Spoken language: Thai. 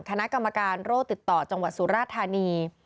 คณะกรรมการโรคติดต่อจังหวัดสุราธานี